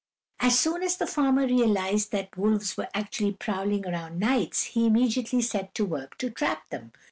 As soon as the farmer realized that wolves were actually prowling around nights, he immediately set to work to trap them.